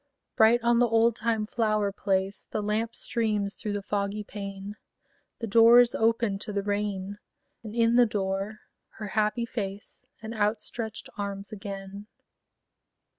Bright on the oldtime flower place The lamp streams through the foggy pane; The door is opened to the rain: And in the door her happy face And outstretched arms again.